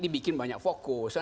ini bikin banyak fokus